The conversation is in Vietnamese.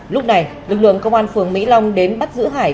lúc này lực lượng công an phường mỹ long đến bắt giữ hải